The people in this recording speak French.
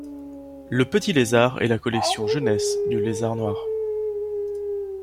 Le Petit Lézard est la collection jeunesse du Lézard Noir.